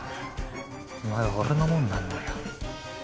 お前は俺のもんなんだよ。